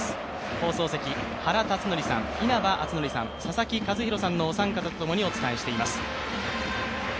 放送席、原辰徳さん、稲葉篤紀さん、佐々木主浩さんのお三方と共にお伝えしています。